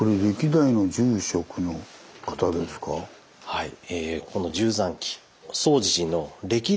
はい。